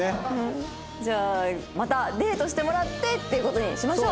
じゃあまたデートしてもらってっていう事にしましょう。